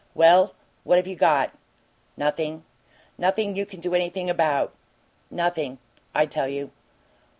"Well, what have you got?" "Nothing. Nothing you can do anything about. Nothing, I tell you."